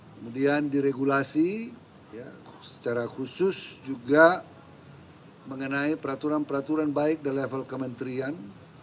kemudian diregulasi secara khusus juga mengenai peraturan peraturan baik dan level kementerian